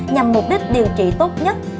nhằm mục đích điều trị tốt nhất